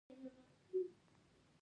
لاسته راوړنې مو وساتل شي.